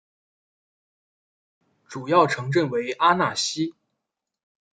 主要城镇为阿讷西。